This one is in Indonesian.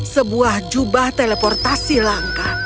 sebuah jubah teleportasi langka